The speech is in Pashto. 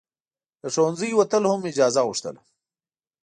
له ښوونځي وتل هم اجازه غوښتله.